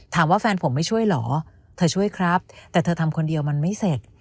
แฟนผมไม่ช่วยเหรอเธอช่วยครับแต่เธอทำคนเดียวมันไม่เสร็จ